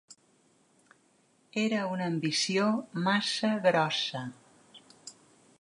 Era una ambició massa grossa